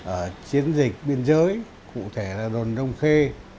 ở chiến dịch biên giới cụ thể là đồn đông khê